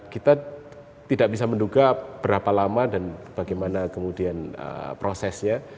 kita tidak bisa menduga berapa lama dan bagaimana kemudian prosesnya